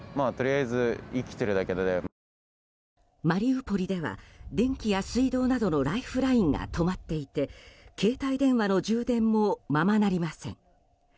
マリウポリでは電気や水道などのライフラインが止まっていて携帯電話の充電もままなりません。